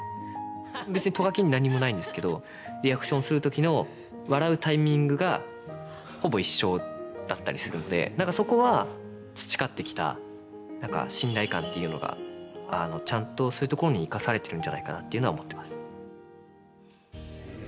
別にト書きに何もないんですけどリアクションする時の何かそこは何て言うんでしょう培ってきた何か信頼感っていうのがちゃんとそういうところに生かされてるんじゃないかなっていうのは思ってます。